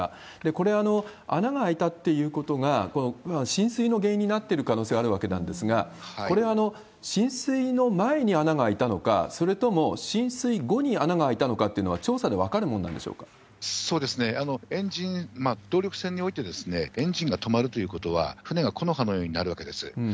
これ、穴が開いたっていうことが、浸水の原因になっている可能性があるわけなんですが、これ、浸水の前に穴が開いたのか、それとも、浸水後に穴が開いたのかっていうのは、調査で分かるものなんでしエンジン、動力船においてエンジンが止まるということは、船が木の葉のようになるわけです。